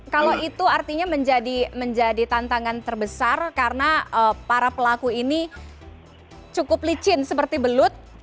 kalau itu artinya menjadi tantangan terbesar karena para pelaku ini cukup licin seperti belut